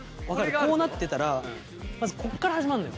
こうなってたらまずこっから始まんのよ。